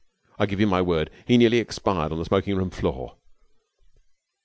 I give you my word, he nearly expired on the smoking room floor.